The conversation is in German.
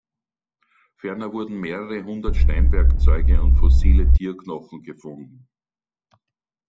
Ferner wurden mehrere hundert Steinwerkzeuge und fossile Tierknochen gefunden.